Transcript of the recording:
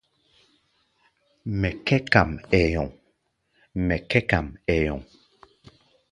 Mɛ kɛ̧́ kam, ɛɛ nyɔŋ.